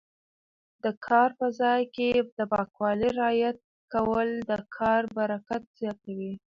د کار په ځای کې د پاکوالي رعایت کول د کار برکت زیاتوي.